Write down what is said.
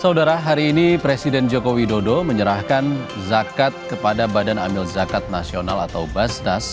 saudara hari ini presiden joko widodo menyerahkan zakat kepada badan amil zakat nasional atau basnas